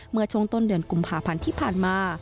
เมื่อช่วงต้นเดือนกุมภาพันธ์ที่ผ่านมา